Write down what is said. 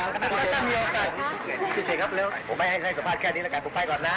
ผมอยากให้เสื้อภาษาแค่นี้ละกันขอไปก่อนนะ